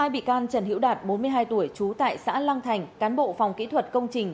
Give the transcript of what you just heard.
hai bị can trần hiễu đạt bốn mươi hai tuổi trú tại xã lăng thành cán bộ phòng kỹ thuật công trình